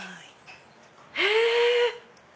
へぇ！